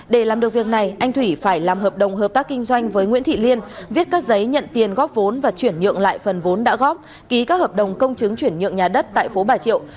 để làm được việc này anh thủy phải làm hợp đồng hợp tác kinh doanh với nguyễn thị liên viết các giấy nhận tiền góp vốn và chuyển nhượng lại phần vốn đã góp ký các hợp đồng công chứng chuyển nhượng nhà đất tại phố bà triệu